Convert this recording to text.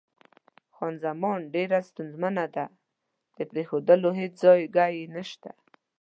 خان زمان: ډېره ستونزمنه ده، د پرېښودلو هېڅ ځای ځایګی یې نشته.